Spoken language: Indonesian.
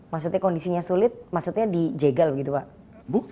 maksudnya kondisinya sulit maksudnya dijegal begitu pak bu